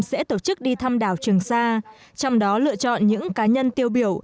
sẽ tổ chức đi thăm đảo trường sa trong đó lựa chọn những cá nhân tiêu biểu